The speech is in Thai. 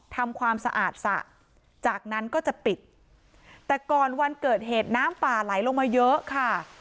ทำความสะอาดสระจากนั้นก็จะปิดแต่ก่อนวันเกิดเหตุน้ำป่าไหลลงมาเยอะค่ะ